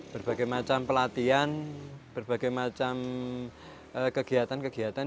berbagai macam pelatihan berbagai macam kegiatan kegiatan